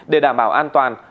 để đảm bảo an toàn